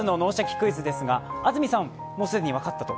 クイズ」ですが、安住さん、既に分かったと？